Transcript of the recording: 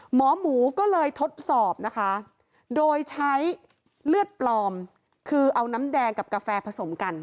หมอหมูก็เลยทดสอบนะคะโดยใช้เลือดปลอมคือเอาน้ำแดงกับกาแฟผสมกัน